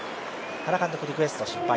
原監督、リクエスト失敗。